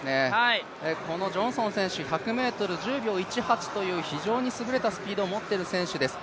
このジョンソン選手、１００ｍ１０秒１８という非常に優れたスピードを持っている選手です。